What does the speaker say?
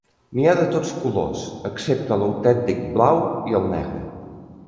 N'hi ha de tots colors, excepte l'autèntic blau i el negre.